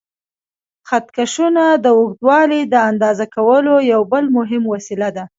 خط کشونه د اوږدوالي د اندازه کولو یو بل مهم وسیله ده.